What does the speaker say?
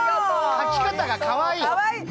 書き方がかわいい。